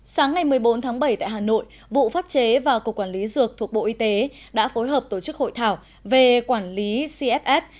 sáng ngày một mươi bốn tháng bảy tại hà nội vụ pháp chế và cục quản lý dược thuộc bộ y tế đã phối hợp tổ chức hội thảo về quản lý cfs